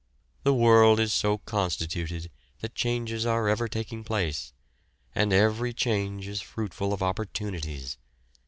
The world is so constituted that changes are ever taking place, and every change is fruitful of opportunities.